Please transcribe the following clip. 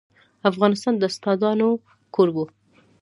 افغانستان د استادانو کور و.